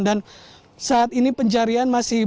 dan saat ini pencarian masih berjalan